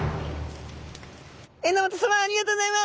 榎本さまありがとうございます！